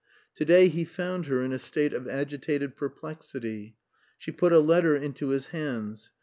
To day he found her in a state of agitated perplexity. She put a letter into his hands.